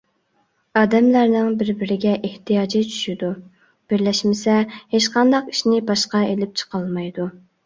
ئادەملەرنىڭ بىر - بىرىگە ئېھتىياجى چۈشىدۇ، بىرلەشمىسە، ھېچقانداق ئىشنى باشقا ئېلىپ چىقالمايدۇ.